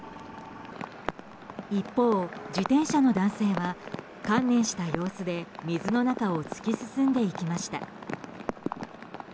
一方、自転車の男性は観念した様子で水の中を突き進んでいきました。